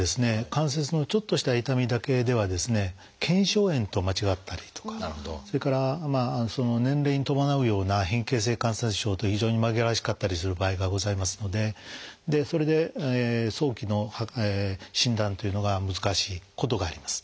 関節のちょっとした痛みだけでは腱鞘炎と間違ったりとかそれから年齢に伴うような変形性関節症と非常に紛らわしかったりする場合がございますのでそれで早期の診断というのが難しいことがあります。